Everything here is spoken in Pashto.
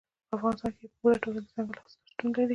په افغانستان کې په پوره توګه دځنګل حاصلات شتون لري.